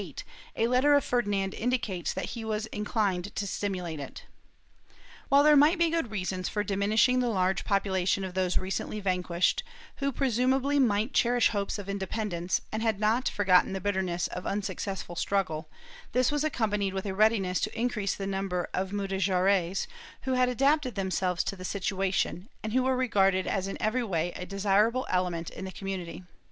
II] CONVERSION OF GRANADA 319 continued and, in 1498, a letter of Ferdinand indicates that he was inclined to stimulate it/ While there might be good reasons for diminishing the large population of those recently vanquished, who presumably might cherish hopes of independence and had not forgotten the bitterness of unsuccessful struggle, this was accom panied with a readiness to increase the number of Mudejares, who had adapted themselves to the situation, and who were regarded as in every way a desirable element in the community.